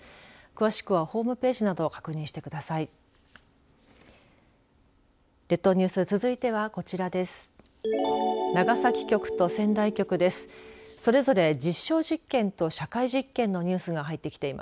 詳しくはホームページなどを確認してください。